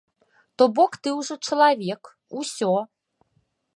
То бок ты ўжо чалавек, усё!